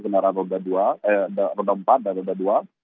kendaraan roda empat dan roda dua